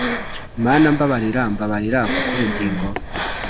Mana mbabarira mbabarira Kuko ubugingo